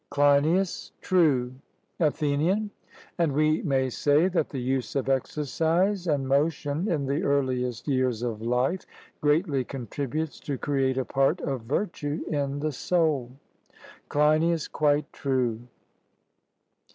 CLEINIAS: True. ATHENIAN: And we may say that the use of exercise and motion in the earliest years of life greatly contributes to create a part of virtue in the soul. CLEINIAS: Quite true.